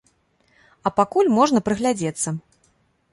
А пакуль можна прыглядзецца.